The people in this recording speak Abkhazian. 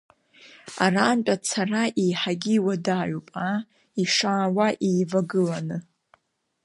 Араантә ацара еиҳагьы иуадаҩуп аа, ишаауа еивагыланы…